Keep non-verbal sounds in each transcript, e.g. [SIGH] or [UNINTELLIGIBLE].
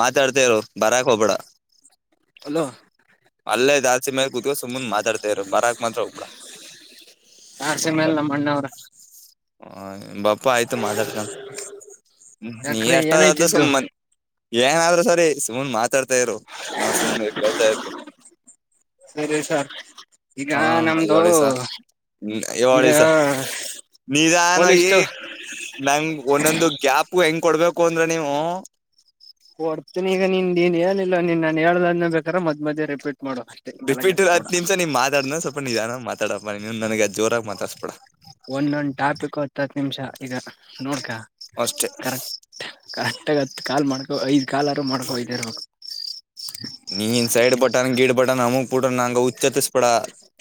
ಮಾತಾಡ್ತ ಇರು ಬರಾಕ್ ಹೋಗ್ಬೇಡ ಹಲೋ ಅಲ್ಲೇ ಜಾಲ್ತಿ ಮೇಲೆ ಕೂತ್ಕೋ ಸುಮ್ನೆ ಮಾತಾಡ್ತಾ ಇರು ಬರಾಕ್ ಮಾತ್ರ ಹೋಗ್ಬೇಡ ನಾ ಡ ಮೇಲೆ ನಮ್ಮ ಅಣ್ಣ ಅವನ ಹ ಬಾಪಾ ಆಯ್ತು ಮಾತಾಡ್ತೀನಿ ನೀ ಯಾಕ್ರಿ ಎಷ್ಟದಾದು ಏನೈತಿದ್ದು ಸುಮ್ಮನೆ ಏನಾದ್ರೂ ಸರಿ ಸುಮನ್ ಮಾತಾಡ್ತಾ ಇರು ನಾನ್ ಸುಮ್ನೆ ಕೇಳ್ತಾ ಇರ್ತೀನಿ ಸರಿ ಸರ್ ಈಗ ಹಾ ನಮ್ದು ಹೇಳಿ ಸರ್ ಈಗ ಹೇಳಿ ಸರ್ ನಿಧಾನವಾಗಿ ಪೊಲೀಸ್ದು ನಂಗ ಒಂದೊಂದು ಗ್ಯಾಪ್ ಹೆಂಗ ಕೊಡ್ಬೇಕು ಅಂದ್ರೆ ನೀವು ಕೊಡ್ತೀನಿ ಈಗ ನೀನ್ ನೀನ್ ಹೇಳಿಲ್ಲ ನೀನ್ ನಾನು ಹೇಳ್ದದನ್ನ ಬೇಕ್ರ ಮಧ್ಯ ಮಧ್ಯ ರಿಪೀಟ್ ಮಾಡು ಅಷ್ಟೇ ತಲೆ ಬಿಟ್ಟ ಹತ್ತ ಕೆಡ್ಸ್ಕೊಬೇಡ ನಿಮಿಷ ಬಿಟ್ಟ ನಿಧಾನವಾಗಿ ಮಾತಾಡಪ್ಪ ಸ್ವಲ್ಪ ನನಗ ಜೋರಾಗ ಮಾತಾಡ್ಸಬೇಡಾ ಒಂದೊಂದ್ ಟಾಪಿಕು ಹತ್ತ ಹತ್ತ ನಿಮಿಷ ಈಗ ನೋಡ್ಕ ಅಷ್ಟೇ ಕರೆಕ್ಟ್ ಕರೆಕ್ಟಗ ಹತ್ತ ಕಾಲ್ ಮಾಡಕ್ ಐದ್ ಕಾಲರು ಮಾಡ್ಕೋ ಹೋಯ್ತಾ ಇರ್ಬೇಕ ಬುಡು ನಂಗ ಉಚ್ಚತಸಬೆಡ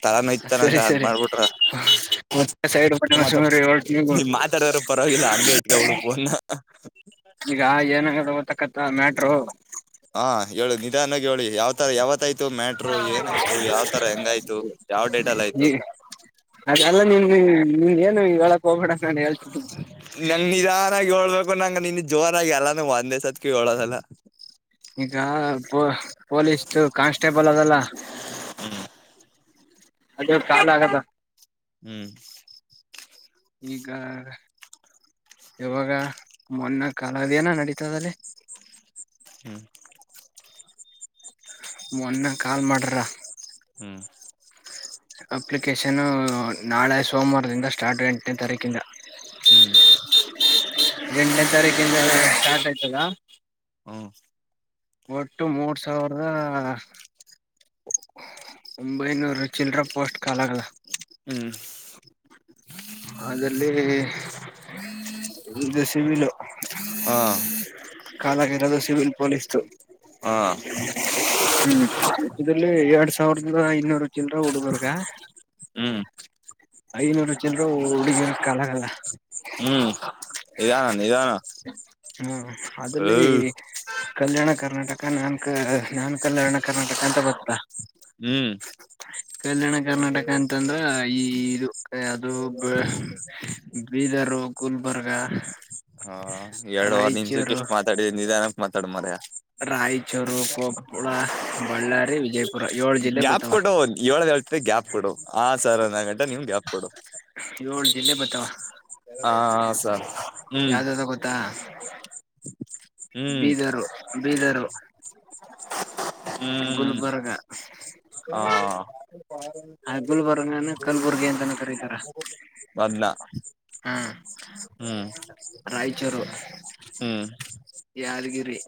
ತಳ ನೋಯ್ತಿದ ನಂಗ ಸರಿ ಹಂಗ ಸರಿ ಮಾಡ್ಬಿಟ್ರ ಸೈಡ್ ಬಟನ್ ಸುಮ್ರಿ ನೀವು ನೀ ಮಾತಾಡಿದ್ರು ಪರವಾಗಿಲ್ಲ ಹಂಗೆ ಇಟ್ಕ ಬುಡು ಪೊನ್ನ ಕತ್ತ ಮ್ಯಾಟ್ರರು ಹಾ ಹೇಳುದ ನಿ ನಿಧಾನವಾಗಿ ಹ್ಯೋಳಿ ಯಾವ್ತರ ಯಾವತ್ಯ್ತು ಮ್ಯಾಟರು ಏನಾಯ್ತು ಯಾವ್ತರ ಹೆಂಗಾಯ್ತು ಯಾವ್ ಡೇಟಲ್ಲ ಆಯ್ತು ನಿಮಿಗ್ ಏನು ಹೇಳಕ್ ಹೋಗಬೇಡಾ ನಂಗ್ ನಿದಾನಾ ಹೋಳ್ಬೇಕ ಓ ನಂಗ್ ನಿನ್ ಜೋರಾಗಿ ಎಲ್ಲಾನು ಒಂದೇಸತ್ಕೆ ಯೋಳೋದಲ್ಲ ಈಗಾ ಪೊ ಪೊಲೀಸ್ದು ಕಾನ್ಸ್ಟೇಬಲ್ ಅದಲಾ ಅದೇ ಕಾಲ ಆಗದ ಹ್ಮ್ ಈಗ ಇವಾಗ ಮೊನ್ನ ಕಾಲದೇನ ನಡೀತದದಲ್ಲಿ ಹ್ಮ್ ಮೊನ್ನ ಕಾಲ್ ಮಾಡ್ರ ಹ್ಮ್ ಅಪ್ಲಿಕೇಶನು ನಾಳೆ ಸೋಮವಾರದಿಂದ ಸ್ಟಾರ್ಟ್ ಎಂಟನೇ ತಾರಿಕಿಂದಾ ಹ್ಮ್ ಎಂಟನೇ ತಾರೀಕಿಂದ ಎಲ್ಲ ಸ್ಟಾರ್ಟ್ ಆಯ್ತದ ಹ್ಮ್ ಒಟ್ಟು ಮೂರ್ ಸಾವಿರದ ಒಂಬೈನೂರ ಚಿಲ್ರೆ ಪೋಸ್ಟ್ ಕಾಲ್ ಆಗವೆ ಹ್ಮ್ ಅದಲ್ಲಿ ಇದು ಸಿವಿಲು ಹಾ ಕಾಲಾಗಿರೋದು ಸಿವಿಲ್ ಪೊಲೀಸ್ದು ಹಾ ಹ್ಮ್ ಇದ್ರಲ್ಲಿ ಎರಡ್ ಸಾವ ಸಾವರದಾ ಐನೂರ್ ಚಲ್ರ ಹುಡುಗುರ್ಗಾ ಹ್ಮ್ ಐನೂರು ಚಿಲ್ರೆ ಹೂ ಹುಡುಗಿರಗ್ ಕಾಲಾಗದ ಹ್ಮ್ ನಿಧಾನ ನಿಧಾನ ಹ್ಮ ಅದಲ್ಲಿ ಹ್ಮ್ ಕಲ್ಯಾಣ ಕರ್ನಾಟಕ ನಾನ್ ಕ ನಾನ್ ಕಲ್ಯಾಣ ಕರ್ನಾಟಕ ಅಂತ ಬತ್ತ ಹ್ಮ್ ಕಲ್ಯಾಣ ಕರ್ನಾಟಕ ಅಂತಂದ್ರ ಈ ಇದು ಯಾ ಅದು ಬ್ಯಾ ಬೀದರು ಗುಲ್ಬರ್ ಹ ಎರಡ್ವಾರ ನಿಮಿಷಕ್ಕೆ ರಾಯಚೂರು ಇಷ್ಟು ಮಾತಾಡಿದಿ ನಿಧಾನಕ್ಕೆ ಮಾತ್ ತಡಮರೆಯ ರಾಯಚೂರು ಕೊಪ್ಪಳ ಬಳ್ಳಾರಿ ವಿಜಯಪುರ ಏಳು ಜಿಲ್ಲೆ ಬತಾವ ಮತ್ತೆ ಗ್ಯಾಪ್ ಕೊಡು ಆ ಸರ್ ಅನೋಗಂತ ನಿನ್ ಗ್ಯಾಪ್ ಕೊಡು ಆ ಯಾವ್ದ್ಯವದು ಗೊತ್ತಾ [INAUDIBLE] [INAUDIBLE] ಹ್ಮ್ ಬೀದರು ಬೀದರು ಹ್ಮ್ ಗುಲ್ಬರ್ಗ ಹಾ ಹ ಗುಲ್ಬರ್ಗಾನ ಕಲ್ಬುರ್ಗಿ ಅಂತನ ಕರೀತಾರ ಅದ್ನ ಹಾ ಹ್ಮ್ ರಾಯಚೂರು ಹ್ಮ್ ಯದ್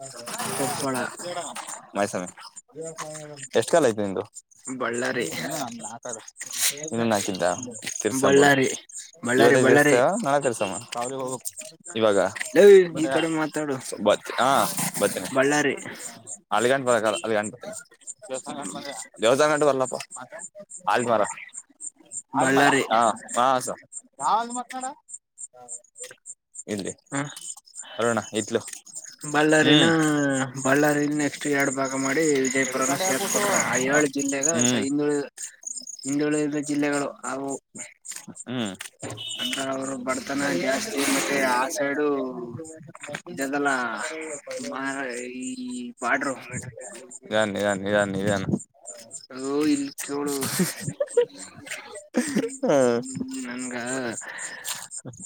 [UNINTELLIGIBLE] ಕೊಪ್ಪಳ ಮೈಸಿ ಎಷ್ಟ ಕಾಲ್ ಆಯ್ತು ನಿಂದು ಬಳ್ಳಾರಿ ಇನ್ನೂ ನಾಕ್ ಅದ ತಿರ್ಸ ಬಿಡು ಬಳ್ಳಾರಿ ಬಳ್ಳಾರಿ ಬಳ್ಳಾರಿ ಇವತ್ತೇ ನಾಳೆ ತಿರ್ಸಮಾ ಇವಾಗ ಲೇ ಈ ಕಡೆ ಮಾತಾಡು ಬತ್ ಹಾ ಬರ್ತೇನೆ ಬಳ್ಳಾರಿ ಅಲ್ಲಿ ಗಂಟ ಬರೋಕ್ಕೆ ಆಗಲ್ಲ ದೇವಸ್ಥಾನ ಗಂಟ ಬಾರಪ್ಪ ಆಲದಮರ ಬಳ್ಳಾರಿ ಹಾ ಬಾ [UNINTELLIGIBLE] ಹ್ಮ್ ಅರುಣ ಇತ್ಲು ಬಳ್ಳಾರಿನ ಹ್ಮ್ ಬಳ್ಳಾರಿ ನೆಕ್ಸ್ಟ್ ಎರಡು ಭಾಗ ಮಾಡಿ ವಿಜಯಪುರನ ಸೇರ್ಸ್ಕೊಟ್ರ ಆ ಏಳ ಜಿಲ್ಲೆಗ ಹ್ಮ್ ಹಿಂದುಳಿ ಹಿಂದುಳಿ ಎಲ್ಲ ಜಿಲ್ಲೆಗಳು ಅವು ಹ್ಮ್ ಅಂದ್ರ ಅವರು ಜಾಸ್ತಿ ಮತ್ತೆ ಆ ಸೈಡು ಇದಾದಲ್ಲ [UNINTELLIGIBLE] ಈ ಬಾರ್ಡರು ನಿಧಾನ ನಿಧಾನ ನಿಧಾನ ನಿಧಾನ ಲೋ ಇಲ್ಲಿ ಕೇಳ ಹ್ಮ್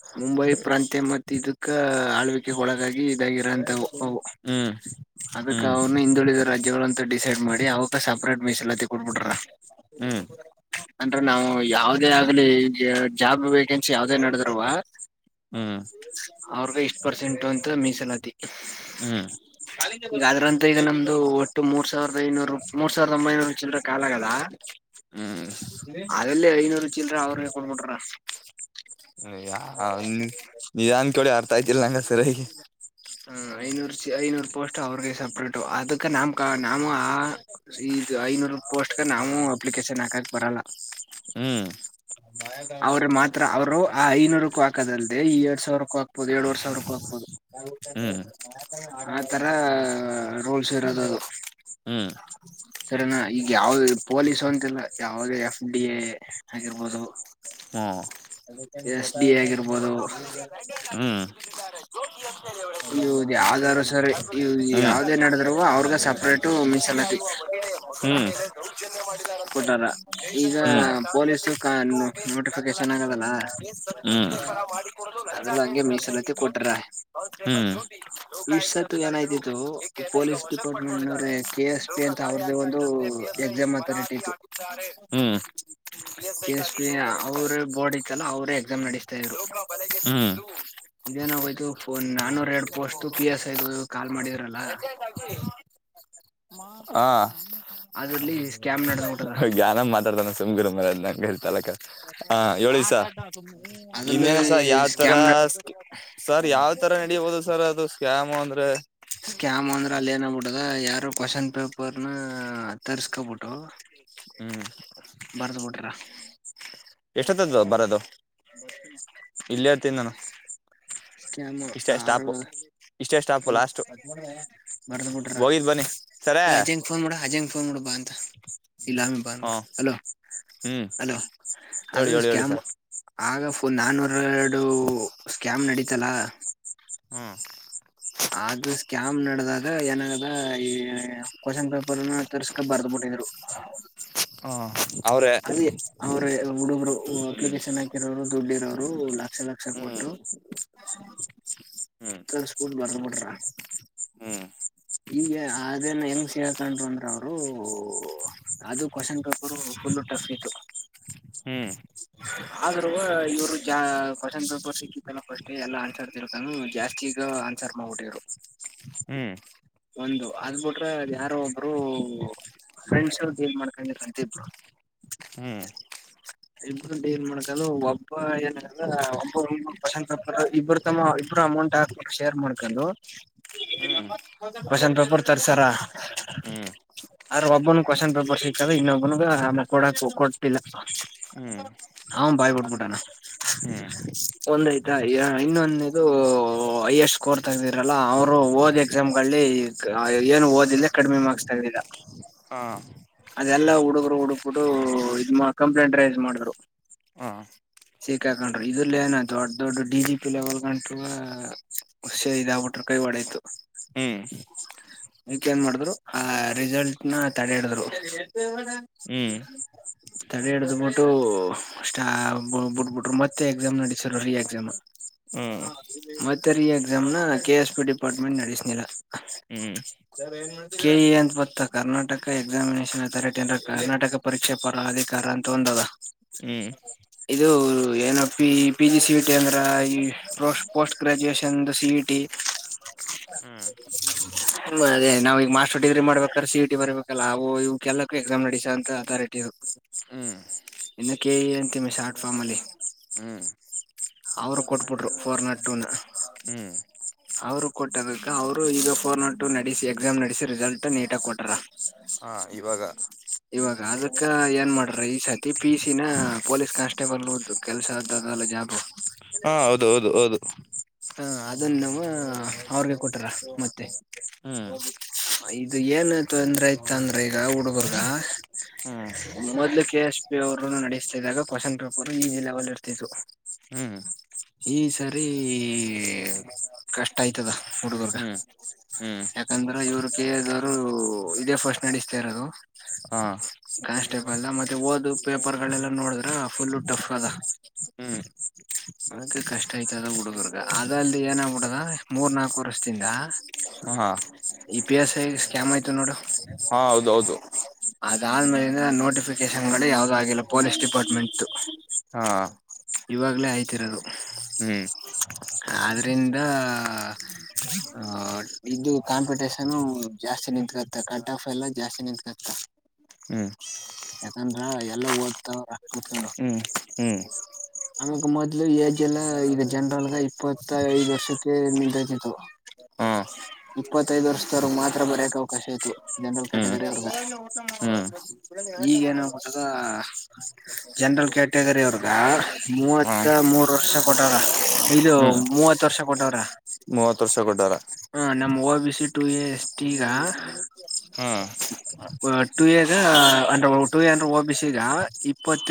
ಹ್ಮ ಮುಂಬೈ ಪ್ರಾಂತ್ಯ ಮತ್ತ ಇದಕ್ಕ ಆಳ್ವಿಕೆ ಒಳಗಾಗಿ ಇದಾಗಿರೋ ಅಂತಾವು ಓ ಅದಕ್ಕೆ ಹ್ಮ್ ಅವ್ರನ್ನ ಹಿಂದುಳಿದ ರಾಜ್ಯಗಳ ಡಿಸೈಡ್ ಮಾಡಿ ಅವಾಗ ಸಪ್ರೇಟ್ ಮೀಸ್ಲಾ ಕೋಟಿಬಿತಾವ್ರೆ ಹ್ಮ್ ಹ್ಮ್ ಅಂದ್ರ ನಾವು ಯಾವದೇ ಆಗ್ಲಿ ಜಾಬ್ ವೇಕೆನ್ಸಿ ಯಾವ್ದೇ ನಡುದ್ರವೆ ಹ್ಮ್ ಅವ್ರಗ ಎಷ್ಟ್ ಪರ್ಸೆಂಟ್ ನಂತ್ರ ಮೀಸಲಾತಿ. ಹ್ಮ್ ಹ್ಮ್ ಯಾದ್ರಂತ ಈಗ ನಮ್ದು. ಒಟ್ಟು ಮೂರ್ ಸಾವಿರದ ಇನ್ನೂರು ಮೂರು ಸಾವಿರದ ಒಂಬೈನೂರು ಚಿಲರ್ ಕಾಲ ಆಗಲ್ಲಾ. ಹ್ಮ್ ಆಗಲೇ ಐನೂರುಚಿಲ್ರೆ ಅವರೇ ಕೊಡ್ಬಿಟ್ರಾ. [UNINTELLIGIBLE] [UNINTELLIGIBLE] ಹ ಐನೂರು ಐನೂರು ಪೋಸ್ಟ್ ಅವ್ರಗೆ ಸಪ್ರೇಟು ಅದಕ್ಕೆ ನಮಕ ನವು ಆ ಈಗ ಐನೂರು ಪೋಸ್ಟ್ಗೆ ನಾವೂ ಅಪ್ಲಿಕೇಶನ್ ಹಾಕಕ್ ಬರಲ್ಲ. ಹೂ. ಅವ್ರರು ಮಾತ್ರ ಅವರೂ ಆ ಐನೂರಕ್ಕೂ ಹಾಕದಲ್ಲದೆೇ ಈ ಎರಡ್ ಸಾವಿರಕ್ಕೂ ಹಾಕಬಹುದು ಎರಡು [UNINTELLIGIBLE] ಎರಡು ಸಾವಿರಕ್ಕೂ ಹೋಗ್ಬೋದು. ಹ್ಮ್ ಹ [UNINTELLIGIBLE] ಆತರ ರೋಲ್ಸ್ ಇರೋದದು. ಹ್ಮ್ ಹ್ಮ್ ಸರಿನಾ ಈಗ ಯಾವ್ದ ಪೊಲೀಸು ಅಂತಲ್ಲ ಯಾವ್ದ ಎಫ್ ಡಿ ಎ ಆಗಿರ್ಬೋದು. ಹೂ. ಎಸ್ ಡಿ ಎ ಆಗಿರ್ಬೋದು. [UNINTELLIGIBLE] [INAUDIBLE] ಇದು ಯಾವ್ದಾ ಆದ್ರು ಸರಿ ಇದು ಹ್ಮ್ ಯಾವುದೇ ನಡೆದ. ಅವ್ರಗ ಸಪರೇಟ್ ಮೀಸಲಾತಿ [UNINTELLIGIBLE] ಹೂ ದೌರ್ಜನ್ಯ ಮಾಡಿದಾರಂತೆ ಕೊಟ್ಟಾರ ಜೈಶನ್ ಈಗ ಹೂ ಠಾಣೆಯಲ್ಲಿ ಪೊಲೀಸು ಪಸೋ ಕೇಸ್ ನೋಟಿಫಿಕೇಶನ್ ದಾಖಲಾಗಿತ್ತು ಆಗದಲ್ಲ ಹೂ ಕೇರ ಮಾಡಿಕೊಡಲು ಲಂಜ ಅದೆಲ್ಲ ಹಂಗೆ ಕೇಳಿದಂತೆ. ಮೀಸಲಾತಿ ಜೋತಿ ಕೊಟ್ರ ಹೂ ಜೋತಿ ಇಷ್ಟ್ ಲೋಕಾಯುಕ್ತ ಸತ್ತು ಅಧಿಕಾರಿಗಳು ಏನಾಯ್ತಿತ್ತು ಈಕೆಯನ್ನು ಈಗ ಪೊಲೀಸ್ ವಶಕ್ಕೆ ಪಡ್ಕೊಂಡಿದ್ದಾರೆ ಲೋಕ ದಾಳಿ. ಇದು ಎಕ್ಸಾಮ್ ಅಥಾರಿಟಿ ಇತ್ತು ಹ್ಮ್ ಕೆ ಎಸ್ ಪಿ ಅವ್ರ ಬೋರ್ಡ್ ಇತ್ತಲ್ಲ ಅವರೆ. ಎಕ್ಸಾಮ ನಡಸ್ತಾ ಇದ್ರು. ಹ್ಮ್ ಇದೇನಾಗೋಯ್ತು ಫೋನ್ ನಾನು red post P S I call ಮಾಡಿದ್ರಲ್ಲ. ಹಾ. ಅದ್ರಲ್ಲಿ ಸ್ಕ್ಯಾಮ್ ನಡೆದ. ಗ್ಯಾನ್ ಮಾತಾಡ್ತಾನ. [UNINTELLIGIBLE] ಡುಮಾ [UNINTELLIGIBLE] ತಲೆಕೆಟ್ಟ ಹ ಹೇಳಿ ಸರ ಅದ್ರಲ್ಲಿ ಇನ್ನೇನು ಸರ ಯಾವ್ ತರ ಸ್ಕ್ಯಾಮ್ ಸರ್ ಯಾವ್ ತರ ನಡಿಬಹುದು ಸರ್ ಅದು ಸ್ಕ್ಯಾಮು ಅಂದ್ರೆ. ಸ್ಕ್ಯಾಮ ಅಂದ್ರೆ ಅಲ್ಲಿ ಏನಗ್ಬಿಟ್ಟದ ಯಾರು ಕ್ವಶನ್ ಪೇಪರ್ನ ತರ್ರಿಸಕೋಬಿಟ್ಟು. ಹ್ಮ್ ಬರ್ದ ಬಿಟ್ರಾ ಎಷ್ಟೊತ್ ಆಯ್ತ ಬರದು ಇಲ್ಲೇ. [UNINTELLIGIBLE] ಸ್ಕ್ಯಾಮ್ ಇಷ್ಟೇ ಆರು. ಸ್ಟಾಪು ಇಷ್ಟೇ ಸ್ಟಾಪು ಲಾಸ್ಟು ಬರ್ದ ಬಿಟ್ರ ಹೋಗಿದ್ ಬನ್ನಿ ಸರೇ ಅಜೇಂಗ ಫೋನ್ ಮಾಡ ಅಜೇಂಗ ಫೋನ್ ಮಾಡು ಬಾ ಅಂತ. ಇಗಾ ಮ್ ಹ್ಞೂ ಬಂಬುಡು ಹಲೋ ಹ್ಞೂ ಹಲೋ ಹೇಳಿ ಅದೇ ಹೇಳಿ ಹೇಳಿ ಸ್ಕ್ಯಾಮು ಸರ್ [UNINTELLIGIBLE] ಆಗ ಫುಲ್ ನಾನು ಎ ಎರಡು ಸ್ಕ್ಯಾಮ್ ನಡೀತ ಇತಲಾ [INAUDIBLE] ಹ್ಞೂ ಆದ್ರುಸ್ಕ್ಯಾಮ್ ನಡದಾಗ ಏನಾಗದ ಈ ಕ್ವಶನ್ ಪೇಪರ್ನು ತರ್ಸ್ಕಂ ಬರ್ದ್ ಬಿಟ್ಟಿದ್ರು ಅವ್ರೇ ಅದೇ ಅವರು ಹುಡುಗರು ಹ್ಮ್ ಅಪ್ಲಿಕೇಶನ್ ಹಾಕಿರೋರು ದುಡ್ಡಿ ಇರೋರು ಲಕ್ಷ ಲಕ್ಷ ಕೊಟ್ಟು ಹ್ಮ್ ಕಳ್ಸ್ಕ ವಡದ್ ಬಿಟ್ರ ಹ್ಮ್ ಇಂಗೆ ಆ [UNINTELLIGIBLE] ಅದನ್ನ ಹೆಂಗ ಸೇರಿಕೆಂದ್ರು ಅಂದ್ರ ಅವ್ರು ಅದು ಕ್ವೆಶನ್ ಪೇಪರು ಫುಲ್ ಟಫ್ ಇತು ಹ್ಮ್ ಆದ್ರೂ ಇವ್ರು ಜಾ ಕ್ವೆಶ್ಚನ್ ಪೇಪರ್ ಸಿಕ್ಕತ್ತಲ್ಲ ಫಸ್ಟ್ ಎಲ್ಲ ಆನ್ಸರ್ ತಿಳ್ಕಂದು ಜಾಸ್ತಿಗ ಆನ್ಸರ್ ಮಾಡ್ಬಿಟ್ಟ್ರು ಹ್ಮ್ ಒಂದು ಅದ್ ಬಿಟ್ರೆ ಯಾರೋ ಒಬ್ರು ಫ್ರೆಂಡ್ಸ್ ಗೇಮ ಮಾಡ್ಕಂಡಇದ್ರಂತೆ ಇಬ್ರು ಇಬ್ರು ಡೀಲ್ ಮಾಡಕಂಡು ಒಬ್ಬ ಏನ ಒಬ್ಬ ಕ್ವೆಶ್ಚನ್ ಪೇಪರ್ ಇಬ್ಬರು ತಮ್ಮ ಇಬ್ಬರು ಅಮೌಂಟ್ ಹಾಕ್ ಶೇರ್ ಮಾಡ್ಕಂಡು ಹ್ಮ್ ಕ್ವೆಶ್ಚನ್ ಪೇಪರ್ ತರ್ಸಾರ ಹ್ಮ್ ಆದ್ರ ಒಬ್ಬನು ಕ್ವೆಶ್ಚನ್ ಪೇಪರ್ ಸಿಕ್ಕದಇನ್ನೊಬ್ಬನಗ ಕೊಡಕ್ ಕೊಟ್ಟಿಲ್ಲ ಹ್ಮ್ ಹ್ಮ್ ಹ್ ಬಾಯ್ಬುಟ್ಬಿಟ್ಟಾನ ಹ್ಮ್ ಒಂದಯ್ತಾ ಇನ್ನೊಂದನೇದು ಐಯಸ್ಟ್ ಸ್ಕೋರ್ ತಗ್ದಿರಲ್ಲ ಅವ್ರು ಓದ್ ಎಕ್ಸಾಮ್ ಗಳಲ್ಲಿ ಏನು ಆದಿಲ್ದೆ ಕಡಿಮೆ ಮಾರ್ಕ್ಸ್ ತಗದಿದ ಹಾ ಅದೆಲ್ಲಾ ಹುಡುಗರು ಹುಡುಕ್ಬಿಡು ಇದ ಕಂಪ್ಲೇಂಟ್ ರೈಸ್ ಮಾಡಿದ್ರು ಹಾ ಸಿಕ್ಕ ಹಾಕೊಂಡ್ರು ಇದ್ರಲ ಏನ ದೊಡ್ ದೊಡ್ಡ ಡಿ ಜಿ ಪಿ ಲೆವೆಲ್ ಗಂಟವ ಹುಷ ಇದಾಗಬಿಟರು ಕೈವಾಡಯ್ತು ಹ್ಮ್ ಈಕ ನ್ ಮಾಡಿದ್ರು ಆ ರಿಸಲ್ಟ್ ನ ತಡೆಹಡಿದ್ರು ಹ್ಮ್ ತಡೆ ಹಿಡ್ದ ಬಿಟ್ಟು್ಬಿಟ್ಬಟ್ರು ಮತ್ತೆ ಎಕ್ಸಾಮ್ ನಡೆಸಿದ್ರುಎಕ್ಸಾಮ್ ಹ್ಮ್ ಮತ್ತೆ reexam K S P department ನಡೆಸನಕರ್ನಾಟಕ ಹ್ಮ್ ಹ್ಮ್ ಎ ಕರ್ನಾಟಕ ಪರೀಕ್ಷೆ ಪರ ಅಧಿಕಾರ ಅಂತ ಒಂದದ ಹ್ಮ್ ಇದು ಏನ P P G C E T ಅಂದ್ರ ಈ ಪೋಸ್ಟ್ ಗ್ರಾಜುಯಷನ್ ಸಿಇ ಟಿ ಹ್ಮ್ ಅದೇ ನಾವ ಈಗ ಮಾಸ್ಟರ್ ಡಿಗ್ರಿ ಮಾಡ್ಬೇಕಾದ್ರ ಸಿಇಟಿ ಬರ್ಬೇಕಲ್ಲವು ಕೆಲ್ಲಕ್ಕೂ ಎಕ್ಸಾಮ್ ನಡಸಂತ ಅಥಾರಿಟಿ ಹ್ಮ್ ಇನ್ನ ಕೆ ಇ ಎ ಅಂತವಿ ಶಾರ್ಟ್ ಫಾರ್ಮ್ ಅಲ್ಲಿ. ಹ್ಮ್ ಅವರು ಕೊಟ್ಬಿಟ್ರು ಫೋರ್ ನಾಟ್ ಟೂನ ಹ್ಮ್ ಅವರು ಕೊಟ್ಟದಕ್ಕೆ. ಅವರು ಈಗ ಫೋರ್ ನಾಟ್ ಟೂ ನಡೆಸಿ ಎಕ್ಸಾಮ್ ನಡೆಸಿ ರಿಸಲ್ಟ್ ನೀಟಾಗಿ ಕೊಟಾರ. ಹ ಇವಾಗ, ಇವಾಗ ಅದಕ್ಕ ಏನ್ ಮಾಡ್ರ ಈ ಸತಿ ಪಿ ಸಿನ ಪೊಲೀಸ್ ಕಾನ್ಸ್ಟೇಬಲ್ ಕೆಲ್ಸದದಲ್ಲ ಜಾಬ್. ಹಾ ಹೌದು ಹೌದು ಹೌದು, ಹಾ ಅದನ್ನ ನಾವ ಅವ್ರಗೆ ಕೊಟರ ಮತ್ತೆ ಹ್ಮ್ ಇದು ಏನ್ ತೊಂದ್ರೆ ಆಯ್ತ ಅಂದ್ರೆ ಈಗ ಹುಡುಗರ್ಗ ಹ್ಮ್ ಮೊದ್ಲು ಕೆ ಎಸ್ ಪಿ ಅವರು ನಡಸ್ತಿದಾಗ ಕ್ವಶನ್ ಪೇಪರ್ ಈಗಿನಲೆವೆಲ್ ಇರ್ತಿದವ್ ಹ್ಮ್ ಈ ಸರಿ ಕಷ್ಟ ಆಯ್ತದ ಹುಡುಗರ್ಗ ಹ್ಮ್ ಹ್ಮ್ ಯಾಕಂದ್ರ ಇವರು ಕೆ ಎದವರು ಇದೆ ಪಷ್ಟ ಸರಿ ನಡಿಸ್ತಾಯಿರದು ಹಾ ಕಾನ್ಸ್ ಕೇಬಲ್ ನ ಹೋದ ಪೇಪರ್ ಗಳನ್ನ ನೋಡಿದ್ರ ಫುಲ್ ಟೈಟ್ ಆದ ಹ್ಮ್ ಅದಕ್ಕೆ ಕಷ್ಟ ಆಯ್ತದ ಹುಡುಗರ್ಗ ಅದ ಅಲ್ಲಿ ಏನಾಗಬಿಡದ ಮೂರ್ ನಾಲ್ಕು ವರ್ಷದಿಂದಾ ಹಾ E P S I scam ಆಯ್ತ ದನೋಡು ಹಾ' ಹೌದೌದು ಅದಾದ್ಮೇಲಿಂದ ನೋಟಿಫಿಕೇಶನ್ ಗಳೆ ಯಾವ್ದು ಆಗಿಲ್ಲ ಪೊಲೀಸ್ ಡಿಪಾರ್ಟ್ಮೆಂಟ್ ಹಾ' ಇವಾಗಲೇ ಆಯ್ತಿರೋದು, ಹ್ಮ್, ಆದ್ರಿಂದ ಇದು ಕಾಂಪಿಟೇಷನು ಜಾಸ್ತಿ ನಿತ್ಕತ್ತ ಕಟ್ ಆಫ್ ಎಲ್ಲ ಜಾಸ್ತಿ ನಿತ್ಕತ್ತ ಹ್ಮ್ ಯಾಕಂದ್ರ ಎಲ್ಲ ಓದ್ತಾವ್ರ ಕುತ್ಕೊಂಡ. ಹ್ಮ್ ಹ್ಮ್ ಆಮಗ್ ಮೊದ್ಲು ಏಜ್ ಎಲ್ಲಾ ಈಗ ಜನರಲ್ಗ ಇಪ್ಪತ್ತ ಐದ ವರ್ಷಕ್ಕೆ ನಿತಿತ್ತು. ಹಾ ಇಪ್ಪತ್ತೈದ ವರ್ಷದವರ್ಗ ಮಾತ್ರ ಬರಯಕ್ ಅವಕಾಶ ಆತತ್ ಜನರಲ್ ಹ್ಮ್ ಕ್ಯಾಟಗರಿ ಅವರ್ಗ. ಹ್ಮ್ ಈಗ ಏನಾಗ್ಬಿಟ್ಟದ... ಜನರಲ್ ಕ್ಯಾಟಗರಿ ಅವ್ರಗ,. ಹಾ ಮೂವತ್ತ ಮೂರ್ ವರ್ಷ ಕೊಟ್ಟವ್ರ ಇಲ್ಲ ಮೂವತ್ ವರ್ಷ ಕೊಟ್ಟವ್ರ ಮೂವತ್ ವರ್ಷ ಕೊಟ್ಟಾರ ಟ ಎ ಎಸ್ ಟಿಗ ಹಾ ಟ ಎ ಅಂದ್ರೆ ಟ ಎ ಅಂದ್ರೆ ಬಿ ಸಿಗ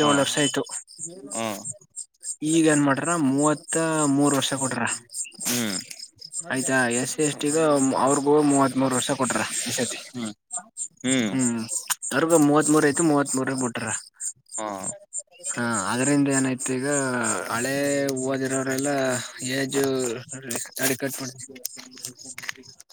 ಹಾ ವರ್ಷ ಆಯ್ತು ಹಾ [UNINTELLIGIBLE] ಈಗ ಏನ್ ಮಾಡ್ರ ಮೂವತ್ತ ಮೂರ್ ವರ್ಷ ಕೊಟ್ರ ಹ್ಮ್ ಆಯ್ತಾ ಎಸ್ ಎಸ್ ಟಿಗ ಅವ್ರಗೂ ಮೂವತ್ ಮೂರ್ ವರ್ಷ ಕೊಟ್ರ ಎತಿ ಹ್ಮ್ ಅವ್ರಗೂ ಮೂವತ್ ಮೂರ ಐತಿ ಮೂವತ್ ಮೂರ ಬಿಟ್ರ ಹಾ ಹ. ಅವ್ರಂದ ಏನೈತಿ ಈಗ ಹಳೆ ಹಓದಿರೋರೆಲ್ಲ ಏಜು ತಾಳಿ ಕಟ್ಬಿಡ್ತೀನಿ.